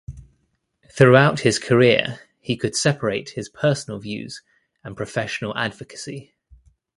Throughout his career, he could separate his personal views and professional advocacy.